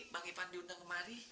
bang iban diundang kemari